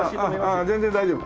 あっ全然大丈夫。